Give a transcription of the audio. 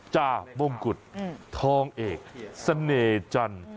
จ้าบ้งกุฎทองเอกสเน่จันทร์